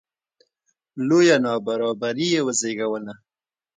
لویه نابرابري یې وزېږوله